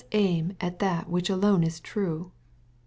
257 08 aim at that which alone is true.